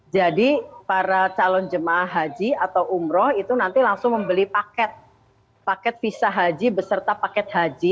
jadi para calon jemaah haji atau umroh itu nanti langsung membeli paket paket visa haji beserta paket haji